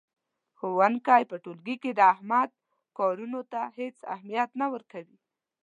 ښوونکی په ټولګي کې د احمد کارونو ته هېڅ اهمیت نه ورکوي.